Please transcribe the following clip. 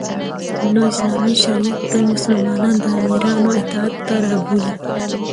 نو اسلامی شریعت تل مسلمانان د امیرانو اطاعت ته رابولی